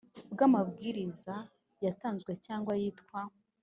Bw amabwiriza yatanzwe cyangwa yitwa